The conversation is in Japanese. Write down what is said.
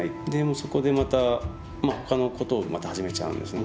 そこでまたほかのことをまた始めちゃうんですね。